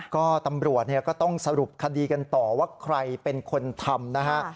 ก็ตำรวจก็ต้องสรุปคดีกันต่อว่าใครเป็นคนทำนะฮะ